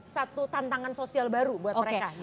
satu tantangan sosial baru buat mereka